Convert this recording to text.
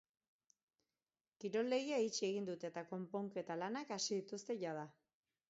Kiroldegia itxi egin dute eta konponketa lanak hasi dituzte jada.